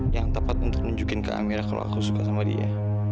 yang tepat untuk nunjukin kak amira kalau aku suka sama dia